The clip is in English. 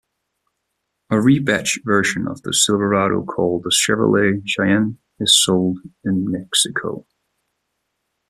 A rebadged version of the Silverado called the Chevrolet Cheyenne is sold in Mexico.